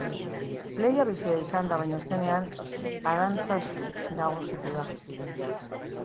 Lehia bizia izan da, baina azkenean, aranztazu nagusitu da.